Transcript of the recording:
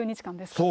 そう。